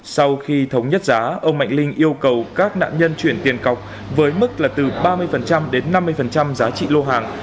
sau khi thống nhất giá ông mạnh linh yêu cầu các nạn nhân chuyển tiền cọc với mức là từ ba mươi đến năm mươi giá trị lô hàng